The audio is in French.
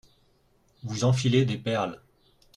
Vous enfilez des perles.